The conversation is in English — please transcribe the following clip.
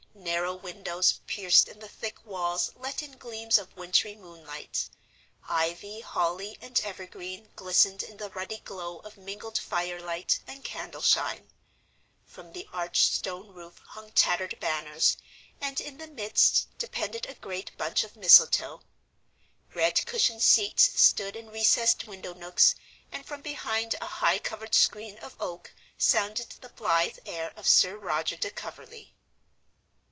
Narrow windows pierced in the thick walls let in gleams of wintry moonlight; ivy, holly, and evergreen glistened in the ruddy glow of mingled firelight and candle shine. From the arched stone roof hung tattered banners, and in the midst depended a great bunch of mistletoe. Red cushioned seats stood in recessed window nooks, and from behind a high covered screen of oak sounded the blithe air of Sir Roger de Coverley.